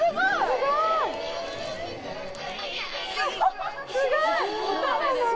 すごい！